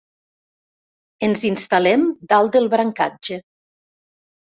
Ens instal·lem dalt del brancatge.